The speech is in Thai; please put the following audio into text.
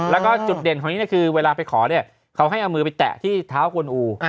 แล้วก็จุดเด่นของนี้คือเวลาไปขอเนี่ยเขาให้เอามือไปแตะที่เท้ากวนอู